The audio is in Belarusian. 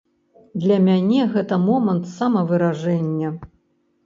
Для мяне гэта момант самавыражэння.